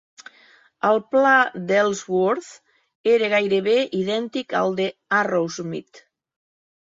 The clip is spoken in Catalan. El pla d'Ellsworth era gairebé idèntic al d'Arrowsmith.